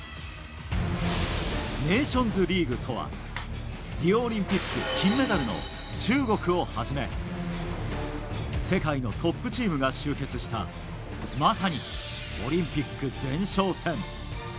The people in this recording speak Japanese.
ネーションズリーグとはリオオリンピック金メダルの中国をはじめ世界のトップチームが集結したまさにオリンピック前哨戦。